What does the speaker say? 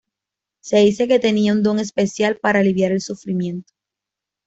Se dice que tenía "un don especial para aliviar el sufrimiento.